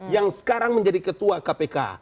yang sekarang menjadi ketua kpk